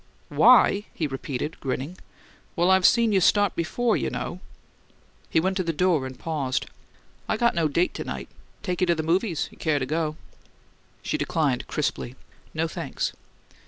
"'Why?'" he repeated, grinning. "Well, I've seen you start before, you know!" He went to the door, and paused. "I got no date to night. Take you to the movies, you care to go." She declined crisply. "No, thanks!"